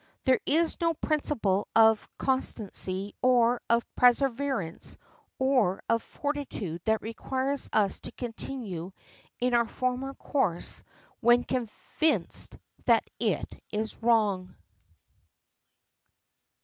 There is no principle of constancy or of perseverance or of fortitude that requires us to continue in our former course when convinced that it is wrong.